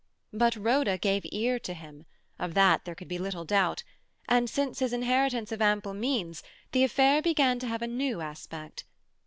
But Rhoda gave ear to him, of that there could be little doubt; and since his inheritance of ample means the affair began to have a new aspect.